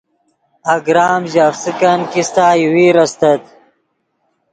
اگرام ژے افسکن کیستہ یوویر استت